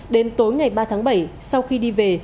đến tối ngày ba tháng bảy sau khi đi về